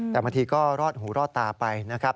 แต่บางทีก็รอดหูรอดตาไปนะครับ